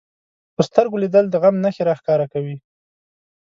په سترګو لیدل د غم نښې راښکاره کوي